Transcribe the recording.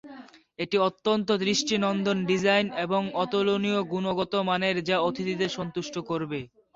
এটি অত্যন্ত দৃষ্টিনন্দন ডিজাইন এবং অতুলনীয় গুণগত মানের যা অতিথিদের সন্তুষ্ট করবে।